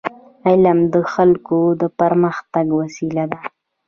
علم د خلکو د پرمختګ وسیله ده.